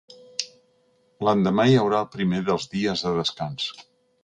L'endemà hi haurà el primer dels dies de descans.